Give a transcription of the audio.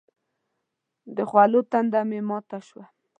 د خولو تنده مې ماته شوه.